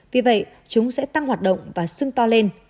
vì vậy chúng sẽ tăng hoạt động và sưng to lên